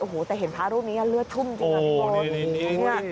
โอ้โฮแต่เห็นภาพรูปนี้เลือดทุ่มจริงนี่